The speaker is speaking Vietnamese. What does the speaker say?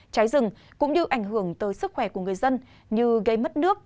cháy rừng cũng như ảnh hưởng tới sức khỏe của người dân như gây mất nước